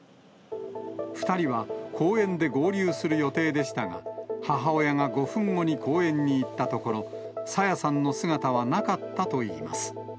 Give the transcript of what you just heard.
２人は公園で合流する予定でしたが、母親が５分後に公園に行ったところ、朝芽さんの姿はなかったといいます。